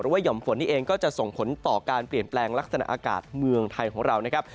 หย่อมฝนนี่เองก็จะส่งผลต่อการเปลี่ยนแปลงลักษณะอากาศเมืองไทยของเรานะครับ